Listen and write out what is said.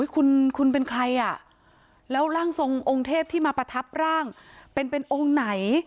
คุณคุณเป็นใครอ่ะแล้วร่างทรงองค์เทพที่มาประทับร่างเป็นองค์ไหน